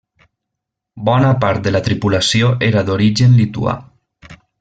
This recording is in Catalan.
Bona part de la tripulació era d'origen lituà.